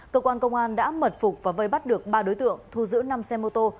cơ quan công an đã mật phục và vây bắt được ba đối tượng thu giữ năm xe mô tô